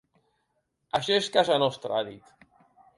Això és casa nostra, ha dit.